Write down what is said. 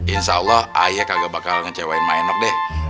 insya allah ayah kagak bakal ngecewain mak enok deh